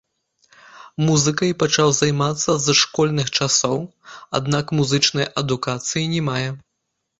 Музыкай пачаў займацца з школьных часоў, аднак музычнай адукацыі не мае.